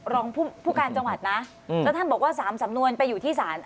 รองผู้การจังหวัดนะแล้วท่านบอกว่า๓สำนวนไปอยู่ที่ศาล